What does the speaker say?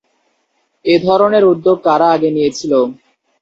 এ ধরনের উদ্যোগ কারা আগে নিয়েছিল?